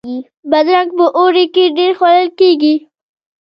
بادرنګ په اوړي کې ډیر خوړل کیږي